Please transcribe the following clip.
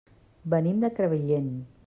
Venim de Crevillent.